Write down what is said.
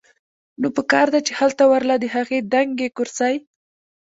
نو پکار ده چې هلته ورله د هغې دنګې کرسۍ